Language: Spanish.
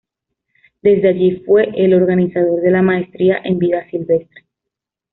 Desde allí fue el organizador de la Maestría en Vida Silvestre.